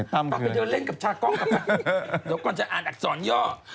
ไปเล่นกับชาก้องก่อนก่อนจะอ่านอักษรย่อ